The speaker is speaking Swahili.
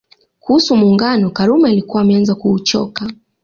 Kuhusu Muungano Karume alikuwa ameanza kuuchoka